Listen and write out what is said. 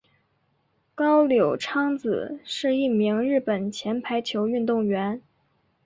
高柳昌子是一名日本前排球运动员。